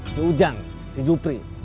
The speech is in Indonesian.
si ujang si jupri